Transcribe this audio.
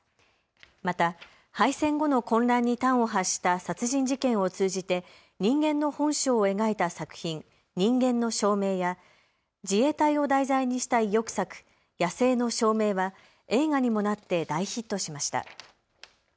また敗戦後の混乱に端を発した殺人事件を通じて人間の本性を描いた作品、人間の証明や自衛隊を題材にした意欲作、野性の証明は映画にもなって大ヒットしました。